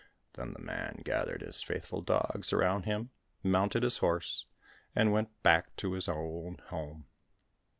Then the man gathered his faithful dogs around him, mounted his horse, and went back to his own home.